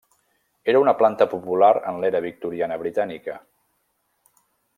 Era una planta popular en l'Era Victoriana britànica.